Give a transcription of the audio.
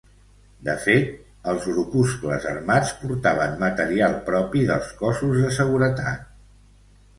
De fet, els grupuscles armats portaven material propi dels cossos de seguretat.